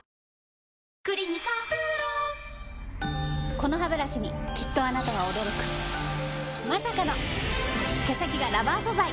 このハブラシにきっとあなたは驚くまさかの毛先がラバー素材！